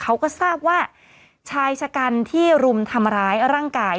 เขาก็ทราบว่าชายชะกันที่รุมทำร้ายร่างกาย